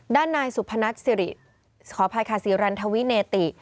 ด้านนายสุพนัทศิริขออภัยค่ะสิริรันทวิเนติ